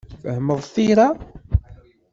Tfehmeḍ tira?